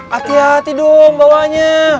hati hati dong bawahnya